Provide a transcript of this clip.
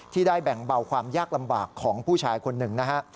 ได้แบ่งเบาความยากลำบากของผู้ชายคนหนึ่งนะฮะ